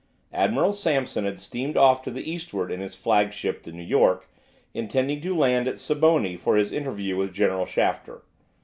Admiral Sampson had steamed off to the eastward in his flagship, the "New York," intending to land at Siboney for his interview with General Shafter.